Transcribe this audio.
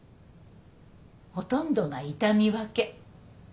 ほとんどが痛み分け。